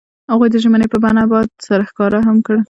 هغوی د ژمنې په بڼه باد سره ښکاره هم کړه.